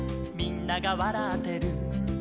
「みんながわらってる」